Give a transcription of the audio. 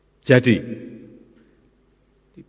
pusat membangun bendungan jadi